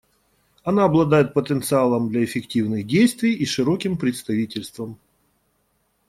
Она обладает потенциалом для эффективных действий и широким представительством.